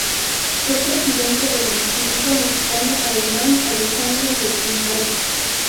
Fue presidente del Instituto Mexicano Alemán "Alejandro de Humboldt".